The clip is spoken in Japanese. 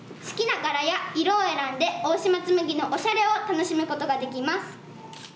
好きな柄や色を選んで大島紬のおしゃれを楽しむことができます。